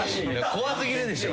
怖すぎるでしょ。